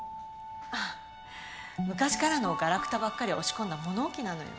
あ昔からのガラクタばっかり押し込んだ物置なのよ。